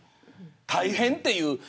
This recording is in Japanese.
大変っていう。